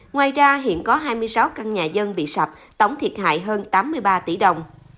ngoài ra hiện có hai mươi sáu căn nhà dân bị sạp tổng thiệt hại hơn tám mươi ba tỷ đồng